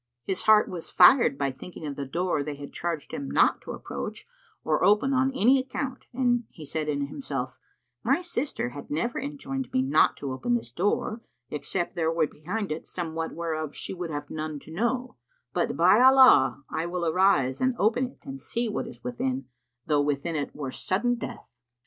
His heart was fired by thinking of the door they had charged him not to approach or open on any account and he said in himself, "My sister had never enjoined me not to open this door, except there were behind it somewhat whereof she would have none to know; but, by Allah, I will arise and open it and see what is within, though within it were sudden death!"